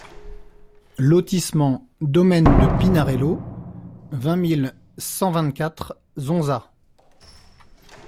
Lotissement Domaine de Pinarello, vingt mille cent vingt-quatre Zonza